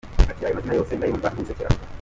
Ati “Ayo mazina yose ndayumva nkisekera.